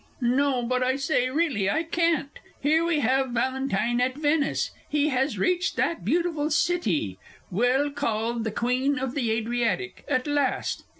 _) No but, I say really, I can't Here we have Valentine at Venice. He has reached that beautiful city, well called the Queen of the Adriatic, at last!